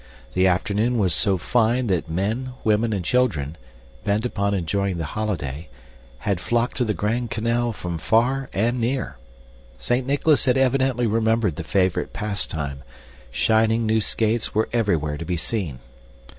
The afternoon was so fine that men, women, and children, bent upon enjoying the holiday, had flocked to the grand canal from far and near. Saint Nicholas had evidently remembered the favorite pastime; shining new skates were everywhere to be seen.